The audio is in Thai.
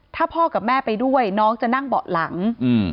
ถ้าพ่อกับแม่ไปด้วยน้องจะนั่งเบาะหลังอืม